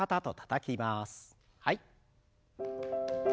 はい。